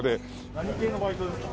何系のバイトですか？